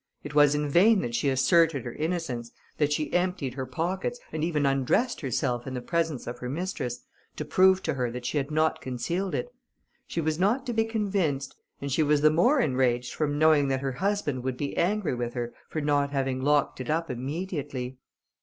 It was in vain that she asserted her innocence, that she emptied her pockets, and even undressed herself in the presence of her mistress, to prove to her that she had not concealed it. She was not to be convinced, and she was the more enraged from knowing that her husband would be angry with her for not having locked it up immediately.